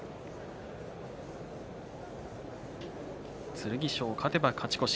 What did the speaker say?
剣翔、勝てば勝ち越し